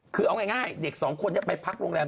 คือเอาง่ายเด็กสองคนนี้ไปพักโรงแรม